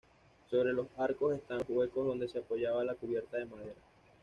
Sobre los arcos están los huecos donde se apoyaba la cubierta de madera.